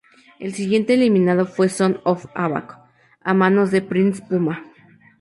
El siguiente eliminado fue Son of Havoc a manos de Prince Puma.